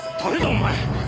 お前！？